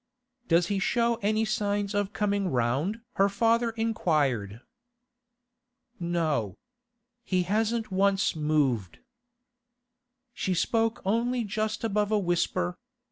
'Does he show any signs of coming round?' her father inquired. 'No. He hasn't once moved.' She spoke only just above a whisper.